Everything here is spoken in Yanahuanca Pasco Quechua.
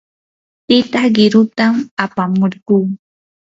tita qirutam apamurquu.